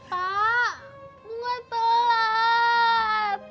pak bunga telat